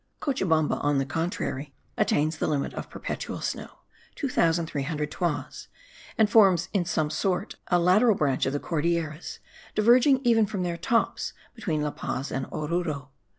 Cochabamba, on the contrary, attains the limit of perpetual snow (2300 toises) and forms in some sort a lateral branch of the Cordilleras, diverging even from their tops between La Paz and Oruro.